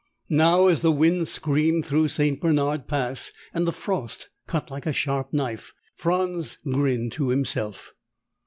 Now, as the wind screamed through St. Bernard Pass and the frost cut like a sharp knife, Franz grinned to himself.